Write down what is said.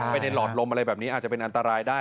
ไปในหลอดลมอะไรแบบนี้อาจจะเป็นอันตรายได้